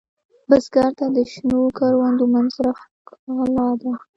بزګر ته د شنو کروندو منظره ښکلا ده